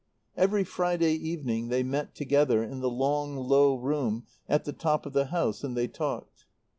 Every Friday evening they met together in the long, low room at the top of the house, and they talked.